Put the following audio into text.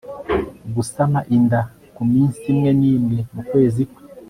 gusama inda ku minsi imwe n'imwe mu kwezi kwe